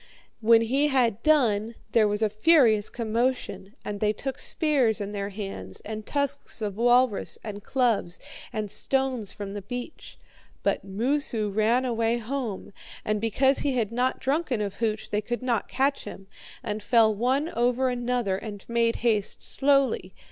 When he had done, there was a furious commotion, and they took spears in their hands, and tusks of walrus, and clubs, and stones from the beach. But Moosu ran away home, and because he had not drunken of hooch they could not catch him, and fell one over another and made haste slowly.